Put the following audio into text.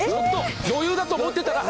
余裕だと思ってたら。